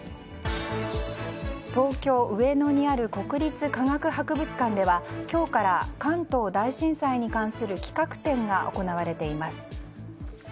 東京・上野にある国立科学博物館では今日から関東大震災に関する企画展が行われています。